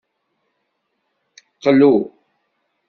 Qlu.